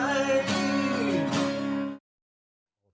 สุขกับใครดี